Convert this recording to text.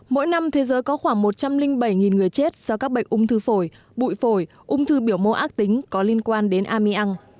mỗi năm thế giới có khoảng một trăm linh bảy người chết do các bệnh ung thư phổi bụi phổi ung thư biểu mô ác tính có liên quan đến amir